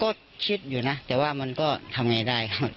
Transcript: ก็คิดอยู่นะแต่ว่ามันก็ทำไงได้ครับ